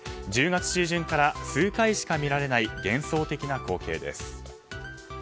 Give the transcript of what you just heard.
１０月中旬から数回しか見られない幻想的な光景です。